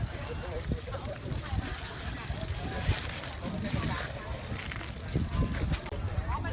สวัสดีครับคุณผู้ชาย